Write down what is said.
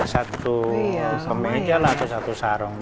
satu pemeja atau satu sarung